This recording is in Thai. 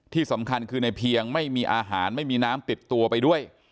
ที่สำคัญคือในเพียงไม่มีอาหารไม่มีน้ำติดตัวไปด้วย